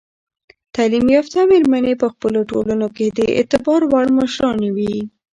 تعلیم یافته میرمنې په خپلو ټولنو کې د اعتبار وړ مشرانې وي.